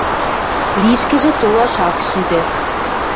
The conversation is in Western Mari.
Лишкӹжӹ толаш ак шӱдӹ.